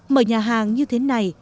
mở nhà hàng như thế này